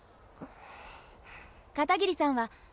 片桐さんは。